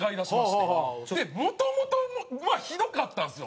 もともとはひどかったんですよ。